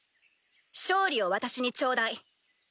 勝利を私にちょうだい。